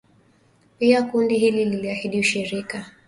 Pia kundi hili liliahidi ushirika